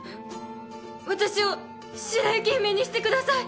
私を白雪姫にしてください！